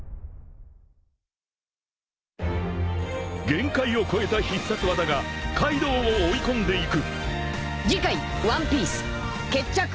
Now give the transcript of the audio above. ［限界を超えた必殺技がカイドウを追い込んでいく］